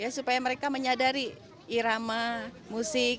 supaya mereka menyadari irama musik